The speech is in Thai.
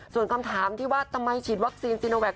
ส่วนคำถามที่ว่าทำไมฉีดวัคซีนซีโนแคค